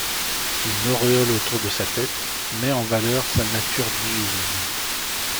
Une auréole autour de sa tête met en valeur sa nature divine.